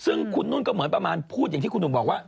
ซึ่งคุณนุ่นก็เหมือนประมาณพูดอย่างที่คุณหนุ่มบอกว่า